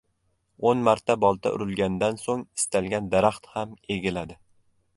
• O‘n marta bolta urilgandan so‘ng istalgan daraxt ham egiladi.